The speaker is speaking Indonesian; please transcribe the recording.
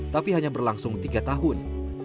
tapi hanya berlangsung tiga tahun